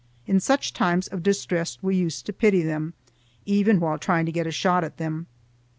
In such times of distress we used to pity them, even while trying to get a shot at them.